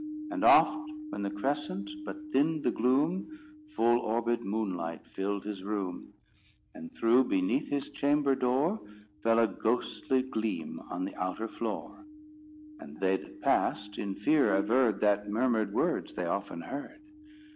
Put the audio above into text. And oft when the crescent but thinned the gloom, Full orbed moonlight filled his room; And through beneath his chamber door, Fell a ghostly gleam on the outer floor; And they that passed, in fear averred That murmured words they often heard.